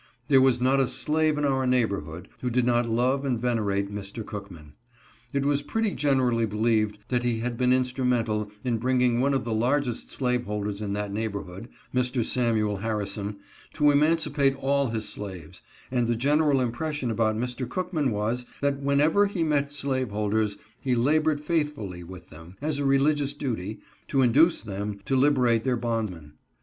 There was not a slave in our neighborhood who did not love and venerate Mr. Cookman. It was pretty generally believed that he had been instrumental in bringing one of the largest slave holders in that neighborhood — Mr. Samuel Harrison — to emancipate all his slaves, and the general impression about Mr. Cookman was, that whenever he met slave holders he labored faithfully with them, as a religious duty, to induce them to liberate their bondmen.